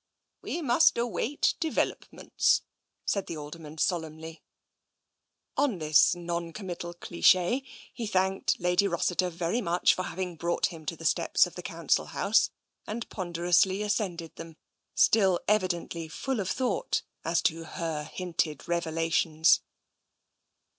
" We must await developments," said the Alderman solemnly. On this noncommittal cliche, he thanked Lady Ros siter very much for having brought him to the steps of the Council House, and ponderously ascended them, still evidently full of thought as to her hinted revela tions.